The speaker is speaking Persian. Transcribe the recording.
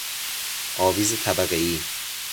آویز طبقه ای